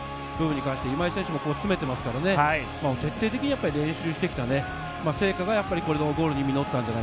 今井選手も詰めていますから、徹底的に練習してきた成果がこのボールに実っ